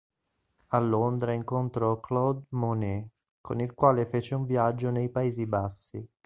A Londra incontrò Claude Monet, con il quale fece un viaggio nei Paesi Bassi.